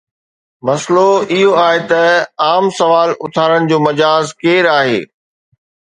مسئلو اهو آهي ته عام سوال اٿارڻ جو مجاز ڪير آهي؟